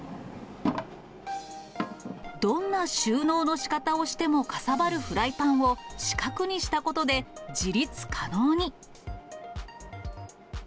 どんな収納のしかたをしても、かさばるフライパンを四角にしたことで、自立可能に。